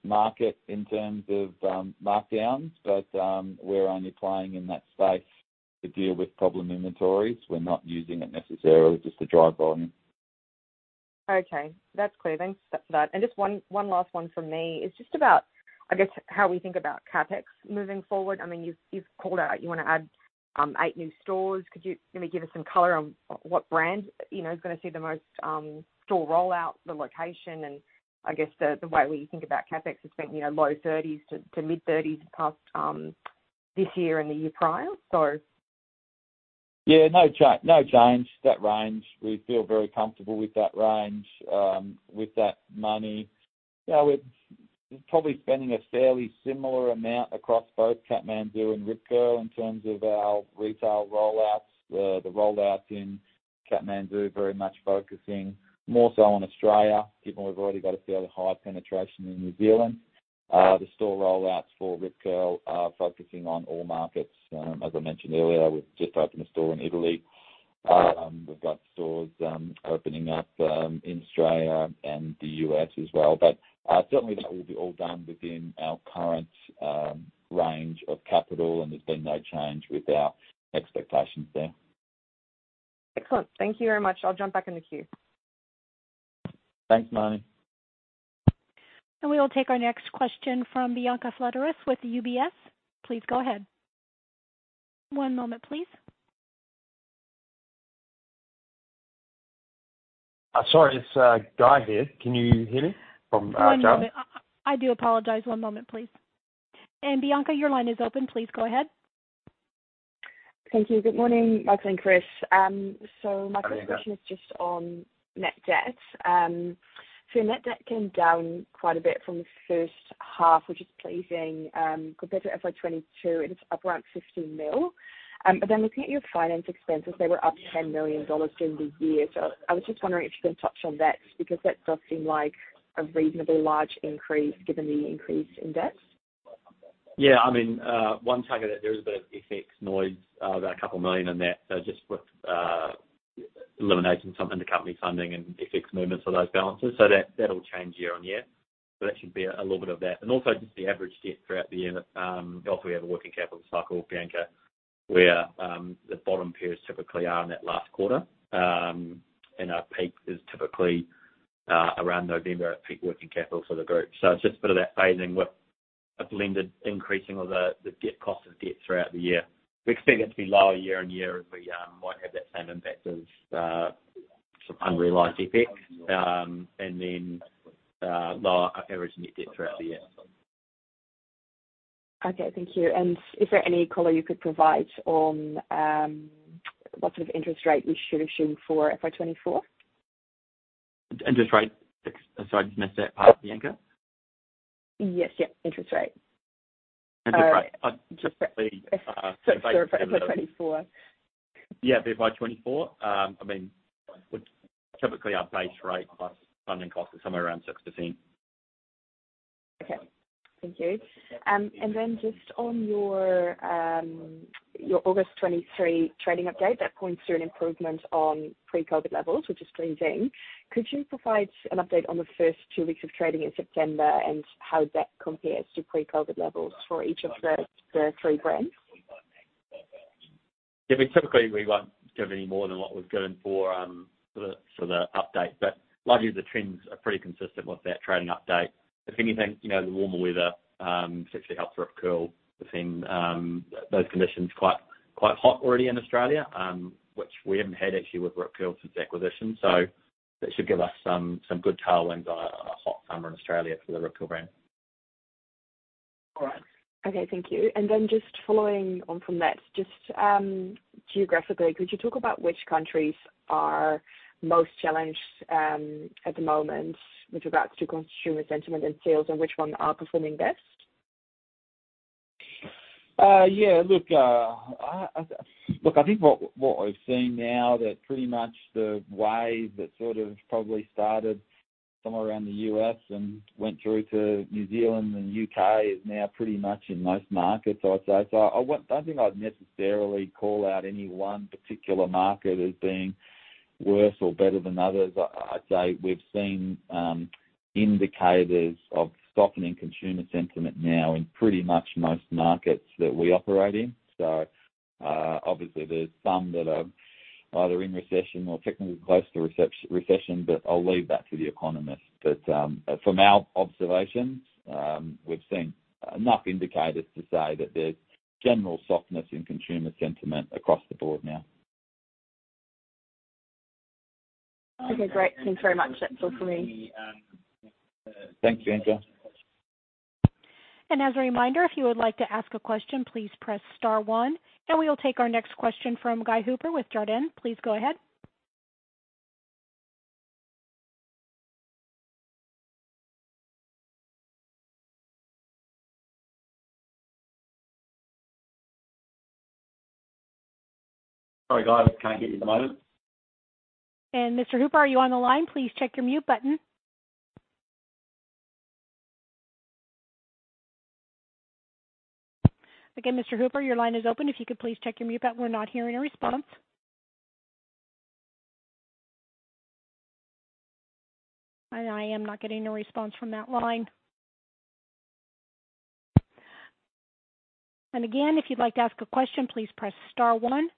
market in terms of markdowns, but we're only playing in that space to deal with problem inventories. We're not using it necessarily just to drive volume. Okay, that's clear. Thanks for that. And just one, one last one from me. It's just about, I guess, how we think about CapEx moving forward. I mean, you've, you've called out you want to add eight new stores. Could you maybe give us some color on what brands, you know, is gonna see the most store rollout, the location, and I guess the, the way we think about CapEx has been, you know, low thirties to mid-thirties past this year and the year prior, so. Yeah, no change. That range, we feel very comfortable with that range, with that money. Yeah, we're probably spending a fairly similar amount across both Kathmandu and Rip Curl in terms of our retail rollouts. The rollouts in Kathmandu are very much focusing more so on Australia, given we've already got a fairly high penetration in New Zealand. The store rollouts for Rip Curl are focusing on all markets. As I mentioned earlier, we've just opened a store in Italy. We've got stores opening up in Australia and the U.S. as well. But certainly that will be all done within our current range of capital, and there's been no change with our expectations there. Excellent. Thank you very much. I'll jump back in the queue. Thanks, Marnie. We will take our next question from Bianca Flett with the UBS. Please go ahead. One moment, please. Sorry, it's Guy here. Can you hear me from Jarden? One moment. I do apologize. One moment, please. And Bianca, your line is open. Please go ahead. Thank you. Good morning, Michael and Chris. My question- Hi, Bianca. is just on net debt. Net debt came down quite a bit from the first half, which is pleasing. Compared to FY 2022, it's up around 15 million. Then looking at your finance expenses, they were up 10 million dollars during the year. I was just wondering if you can touch on that, because that does seem like a reasonably large increase given the increase in debt. Yeah, I mean, one target that there is a bit of FX noise, about 2 million in that. So just with eliminating some intercompany funding and FX movements on those balances. So that, that'll change year-on-year. So that should be a little bit of that. And also just the average debt throughout the year. Also, we have a working capital cycle, Bianca, where the bottom periods typically are in that last quarter. And our peak is typically around November at peak working capital for the group. So it's just a bit of that phasing with a blended increasing of the debt cost of debt throughout the year. We expect it to be lower year on year, and we might have that same impact of some unrealized effects, and then lower average net debt throughout the year. Okay, thank you. Is there any color you could provide on what sort of interest rate we should assume for FY 2024? Interest rate? Sorry, I just missed that part, Bianca. Yes. Yeah, interest rate. Interest rate. For FY 2024. Yeah, FY 2024. I mean, typically our base rate, plus funding cost is somewhere around 6%. Okay, thank you. And then just on your August 2023 trading update, that points to an improvement on pre-COVID levels, which is pleasing. Could you provide an update on the first two weeks of trading in September and how that compares to pre-COVID levels for each of the three brands? Yeah, I mean, typically, we won't give any more than what we've given for the update. But largely the trends are pretty consistent with that trading update. If anything, you know, the warmer weather particularly helps Rip Curl within those conditions quite hot already in Australia, which we haven't had actually with Rip Curl since acquisition. So that should give us some good tailwinds on a hot summer in Australia for the Rip Curl brand. All right. Okay, thank you. Just following on from that, just geographically, could you talk about which countries are most challenged at the moment with regards to consumer sentiment and sales, and which ones are performing best? Yeah, look, I think what we've seen now that pretty much the wave that sort of probably started somewhere around the U.S. and went through to New Zealand and UK is now pretty much in most markets, I'd say. So I don't think I'd necessarily call out any one particular market as being worse or better than others. I'd say we've seen indicators of softening consumer sentiment now in pretty much most markets that we operate in. So, obviously there's some that are either in recession or technically close to recession, but I'll leave that to the economists. But, from our observations, we've seen enough indicators to say that there's general softness in consumer sentiment across the board now. Okay, great. Thanks very much. That's all for me. Thank you, Bianca. As a reminder, if you would like to ask a question, please press star one, and we will take our next question from Guy Hooper with Jarden. Please go ahead. Sorry, Guy, I can't get you at the moment. And Mr. Hooper, are you on the line? Please check your mute button. Again, Mr. Hooper, your line is open. If you could please check your mute button. We're not hearing a response. And I am not getting a response from that line. And again, if you'd like to ask a question, please press star one.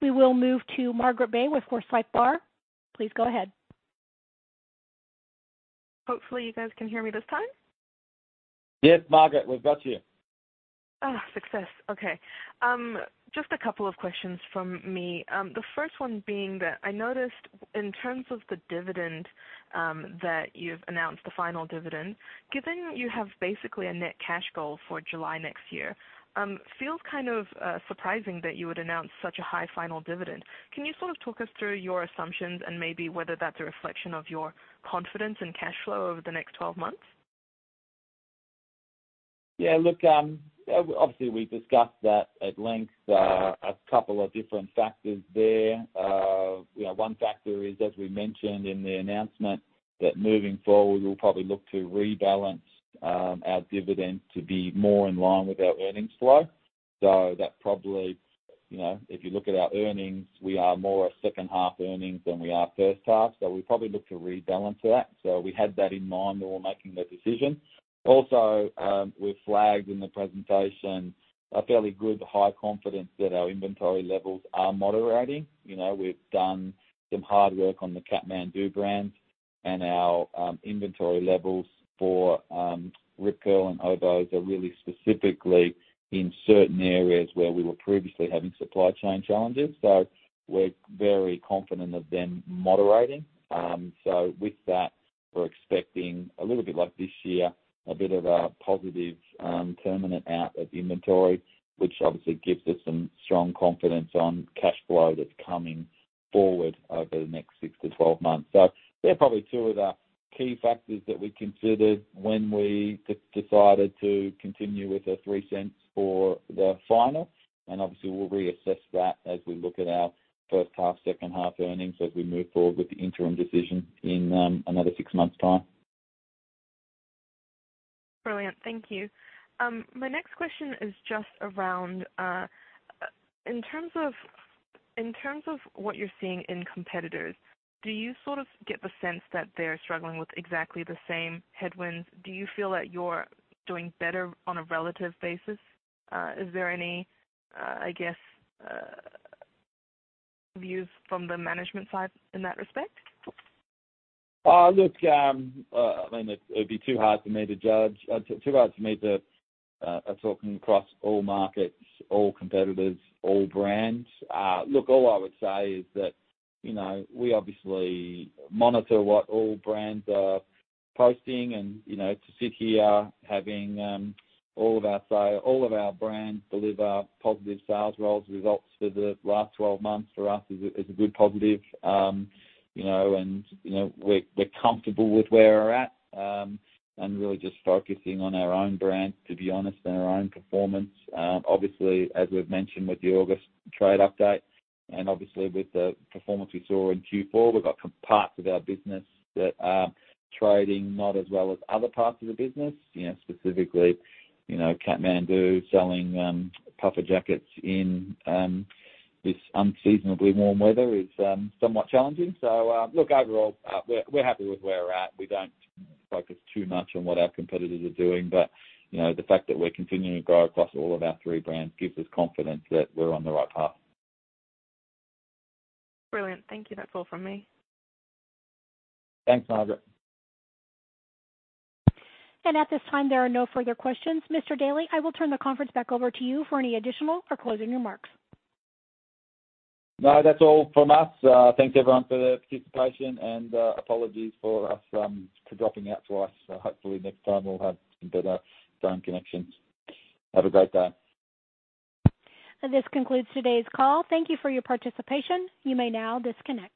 We will move to Margaret Bei with Forsyth Barr. Please go ahead. Hopefully, you guys can hear me this time. Yes, Margaret, we've got you. Oh, success! Okay. Just a couple of questions from me. The first one being that I noticed in terms of the dividend, that you've announced the final dividend. Given you have basically a net cash goal for July next year, feels kind of, surprising that you would announce such a high final dividend. Can you sort of talk us through your assumptions and maybe whether that's a reflection of your confidence in cash flow over the next 12 months? Yeah, look, obviously, we discussed that at length. A couple of different factors there. You know, one factor is, as we mentioned in the announcement, that moving forward, we'll probably look to rebalance our dividend to be more in line with our earnings flow. So that probably, you know, if you look at our earnings, we are more a second-half earnings than we are first half. So we probably look to rebalance that. So we had that in mind when we were making the decision. Also, we flagged in the presentation a fairly good, high confidence that our inventory levels are moderating. You know, we've done some hard work on the Kathmandu brand, and our inventory levels for Rip Curl and Oboz are really specifically in certain areas where we were previously having supply chain challenges. So we're very confident of them moderating. So with that, we're expecting a little bit like this year, a bit of a positive permanent [outflow] of inventory, which obviously gives us some strong confidence on cash flow that's coming forward over the next 6-12 months. So they're probably two of the key factors that we considered when we decided to continue with the 0.03 for the final. And obviously, we'll reassess that as we look at our first half, second-half earnings as we move forward with the interim decision in another 6 months' time. Brilliant. Thank you. My next question is just around, in terms of, in terms of what you're seeing in competitors, do you sort of get the sense that they're struggling with exactly the same headwinds? Do you feel that you're doing better on a relative basis? Is there any, I guess, views from the management side in that respect? Look, I mean, it'd be too hard for me to judge. Too hard for me to talk across all markets, all competitors, all brands. Look, all I would say is that, you know, we obviously monitor what all brands are posting, and, you know, to sit here having all of our brands deliver positive sales results for the last 12 months, for us, is a good positive. You know, and, you know, we're comfortable with where we're at, and really just focusing on our own brand, to be honest, and our own performance. Obviously, as we've mentioned with the August trade update and obviously with the performance we saw in Q4, we've got some parts of our business that are trading not as well as other parts of the business. You know, specifically, you know, Kathmandu selling puffer jackets in this unseasonably warm weather is somewhat challenging. Look, overall, we're, we're happy with where we're at. We don't focus too much on what our competitors are doing, but, you know, the fact that we're continuing to grow across all of our three brands gives us confidence that we're on the right path. Brilliant. Thank you. That's all from me. Thanks, Margaret. At this time, there are no further questions. Mr. Daly, I will turn the conference back over to you for any additional or closing remarks. No, that's all from us. Thanks, everyone, for the participation, and apologies for us for dropping out twice. So hopefully next time we'll have some better phone connections. Have a great day. This concludes today's call. Thank you for your participation. You may now disconnect.